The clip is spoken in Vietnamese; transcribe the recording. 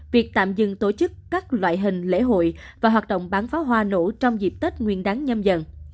việc tạm dừng tổ chức các loại hình lễ hội và hoạt động bán pháo hoa nổ trong dịp tết nguyên đáng nhâm dần